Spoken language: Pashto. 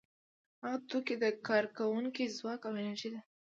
هغه توکي د کارکوونکو ځواک او انرژي ده